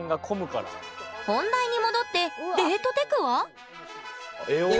本題に戻ってデートテクは？